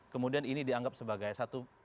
kemudian ini dianggap sebagai satu